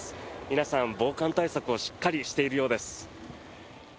皆さん、防寒対策をしっかりしているようです。